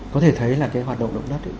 có thể thấy là cái hoạt động động đất